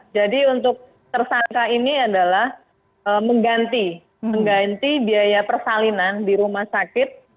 jadi untuk tersangka ini adalah mengganti biaya persalinan di rumah sakit